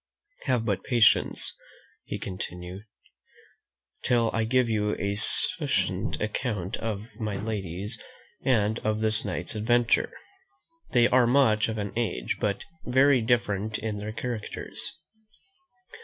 Have but patience," continued he, "till I give you a succinct account of my ladies and of this night's adventure. They are much of an age, but very different in their characters.